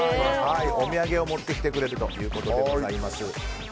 お土産を持ってきてくれるということでございます。